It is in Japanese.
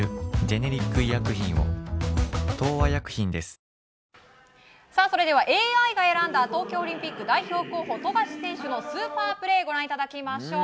立ったそれが東京海上日動ＡＩが選んだ東京オリンピック代表候補富樫勇樹選手のスーパープレーをご覧いただきましょう。